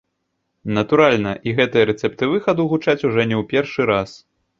Натуральна, і гэтыя рэцэпты выхаду гучаць ужо не ў першы раз.